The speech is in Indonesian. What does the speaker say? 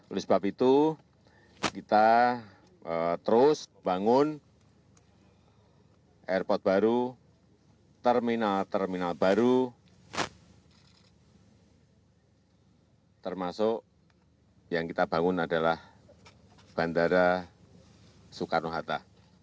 oleh sebab itu kita terus membangun airport baru terminal terminal baru termasuk yang kita bangun adalah bandara soekarno hatta